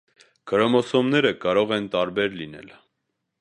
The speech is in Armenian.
Քրոմոսոմները կարող են տարբեր լինել։